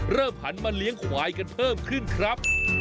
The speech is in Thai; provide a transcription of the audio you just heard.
หันมาเลี้ยงควายกันเพิ่มขึ้นครับ